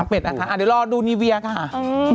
บ๊วยบ๊าย